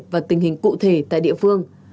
và tình hình cụ thể tại địa phương